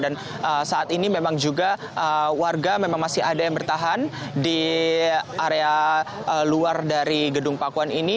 dan saat ini memang juga warga memang masih ada yang bertahan di area luar dari gedung pakuan ini